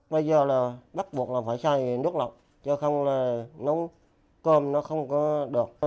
bây giờ là bắt buộc là phải xài nước lọc chứ không là nấu cơm nó không có được